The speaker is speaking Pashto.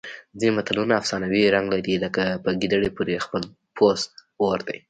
ځینې متلونه افسانوي رنګ لري لکه په ګیدړې پورې خپل پوست اور دی